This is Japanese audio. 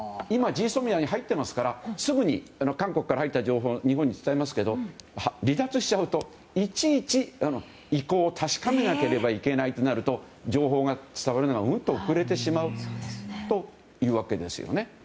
今、ＧＳＯＭＩＡに入っていますからすぐに韓国から入った情報を日本に伝えますけど離脱して、いちいち意向を確かめなければいけないとなると情報が伝わるのが、もっと遅れてしまうというわけですね。